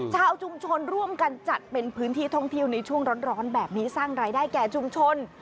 ชาวชุมชนร่วมกันจัดเป็นพื้นที่ท่องเที่ยวในช่วงร้อนแบบนี้สร้างรายได้แก่ชุมชน